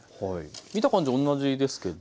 見た感じ同じですけど。